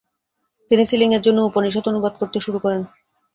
তিনি সিলিংয়ের জন্য উপনিষদ অনুবাদ করতে শুরু করেন।